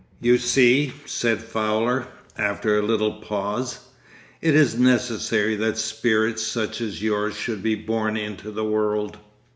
'You see,' said Fowler, after a little pause, 'it is necessary that spirits such as yours should be born into the world.